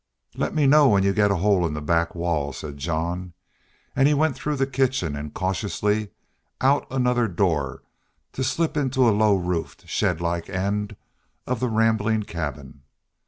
"Let me know when you get a hole in the back wall," said Jean, and he went through the kitchen and cautiously out another door to slip into a low roofed, shed like end of the rambling cabin.